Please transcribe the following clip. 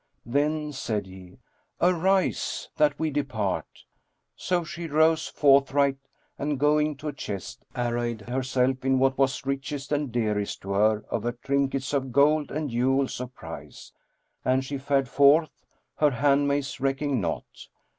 "Then," said he, "arise that we depart." So she rose forthright and going to a chest, arrayed herself in what was richest and dearest to her of her trinkets of gold and jewels of price, and she fared forth, her handmaids recking naught.